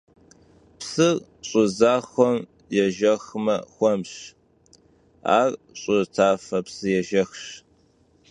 Psır ş'ı zaxuem yêjjexme xuemş, ar ş'ı tafe psıêjjexş.